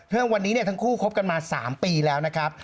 เรื่องนี้ทั้งคู่คบกันมา๓ปีแล้วนะครับ